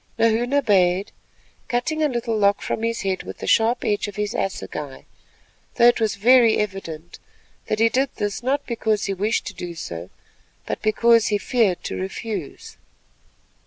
Nahoon obeyed, cutting a little lock from his head with the sharp edge of his assegai, though it was very evident that he did this not because he wished to do so, but because he feared to refuse.